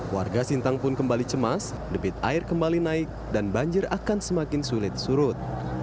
warga sintang pun kembali cemas debit air kembali naik dan banjir akan semakin sulit surut